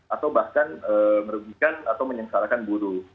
atau bahkan merugikan atau menyengsarakan buruh